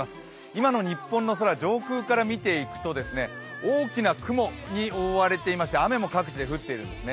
今の日本の空、上空から見ていくと大きな雲に覆われていまして雨も各地で降っているんです。